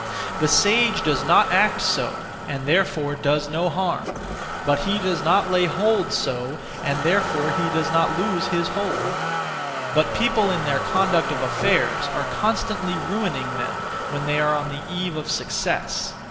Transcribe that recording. The sage does not act (so), and therefore does no harm; he does not lay hold (so), and therefore does not lose his hold. (But) people in their conduct of affairs are constantly ruining them when they are on the eve of success.